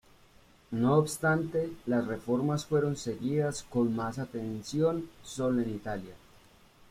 No obstante, las reformas fueron seguidas con más atención sólo en Italia.